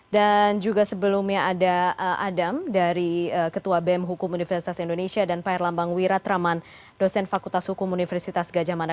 dan juga sebelumnya ada adam dari ketua bm hukum universitas indonesia dan pak erlambang wiratraman dosen fakultas hukum universitas gajah mada